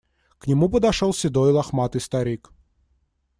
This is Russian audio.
К нему подошел седой лохматый старик.